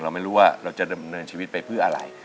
ไม่รู้ว่าเราจะดำเนินชีวิตไปเพื่ออะไร